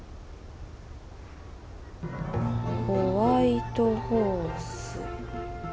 ホワイトホース。